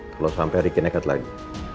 kalau sampai riki nekat lagi